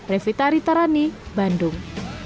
revita ritarani bandung